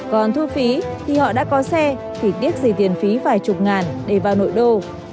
còn thu phí thì họ đã có xe thì tiếc gì tiền phí vài chục ngàn để vào nội đô